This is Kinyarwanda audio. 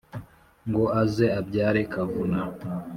ngo aze abyare kavuna.